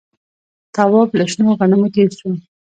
تواب له شنو غنمو تېر شو.